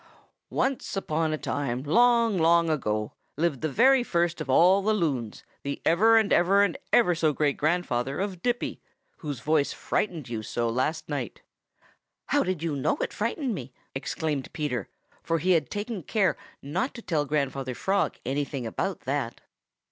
"Once on a time, long, long ago, lived the very first of all the Loons, the ever and ever and ever so great grandfather of Dippy, whose voice frightened you so last night." "How did you know it frightened me?" exclaimed Peter, for he had taken care not to tell Grandfather Frog anything about that.